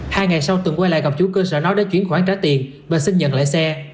hai ngày sau tường quay lại gặp chú cơ sở nó để chuyển khoản trả tiền và xin nhận lại xe